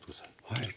はい。